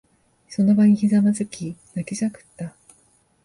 その場にひざまずき、泣きじゃくった。